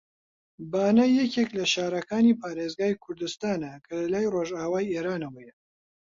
بانە یەکێک لە شارەکانی پارێزگای کوردستانە کە لە لای ڕۆژئاوای ئێرانەوەیە